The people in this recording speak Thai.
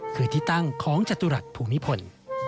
คือที่ตั้งของจตุรัสภูมิพล